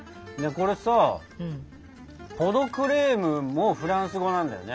これさポ・ド・クレームもフランス語なんだよね？